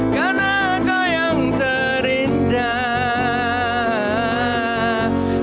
karena kau yang terindah